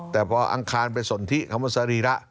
แต่พออังคารเป็นส่วนที่คำว่าสรีระ